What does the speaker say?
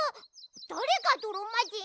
だれがどろまじん？